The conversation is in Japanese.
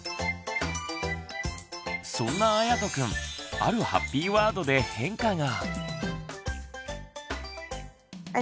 そんなあやとくんあるハッピーワードで変化が。